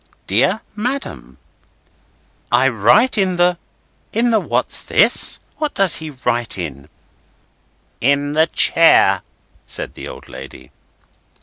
"'DEAR MADAM, "'I write in the—;' In the what's this? What does he write in?" "In the chair," said the old lady.